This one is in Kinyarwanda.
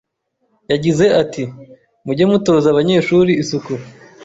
Yagize ati:Mujye mutoza abanyeshuri isuku